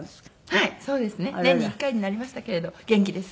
はいそうですね。年に１回になりましたけれど元気です。